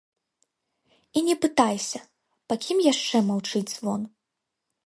І не пытайся, па кім яшчэ маўчыць звон.